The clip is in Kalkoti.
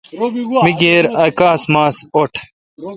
می کیر اؘ کاس ماس اوٹ۔